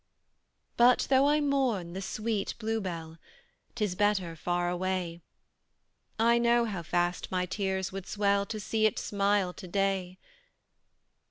But, though I mourn the sweet Bluebell, 'Tis better far away; I know how fast my tears would swell To see it smile to day.